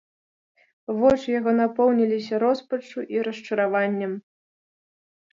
Вочы яго напоўніліся роспаччу і расчараваннем.